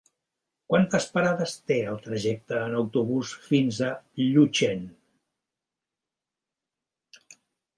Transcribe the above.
Quantes parades té el trajecte en autobús fins a Llutxent?